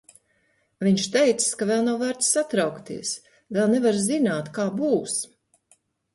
Viņš teicis, ka vēl nav vērts satraukties, vēl nevar zināt, kā būs.